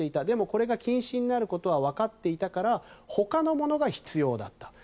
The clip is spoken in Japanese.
でもこれが禁止になることは分かっていたから他のものが必要だった。